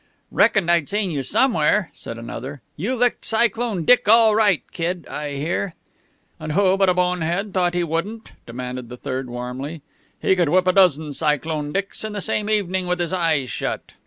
"Reckoned I'd seen you somewhere!" said another. "You licked Cyclone Dick all right, Kid, I hear." "And who but a bone head thought he wouldn't?" demanded the third warmly. "He could whip a dozen Cyclone Dicks in the same evening with his eyes shut."